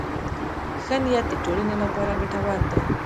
ښه نیت د ټولنې لپاره ګټور دی.